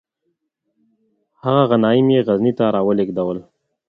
هغه غنایم یې غزني ته را ولیږدول.